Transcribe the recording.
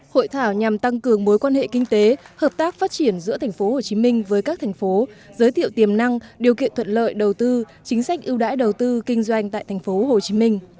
hội thảo nhằm tăng cường mối quan hệ kinh tế hợp tác phát triển giữa tp hcm với các thành phố giới thiệu tiềm năng điều kiện thuận lợi đầu tư chính sách ưu đãi đầu tư kinh doanh tại tp hcm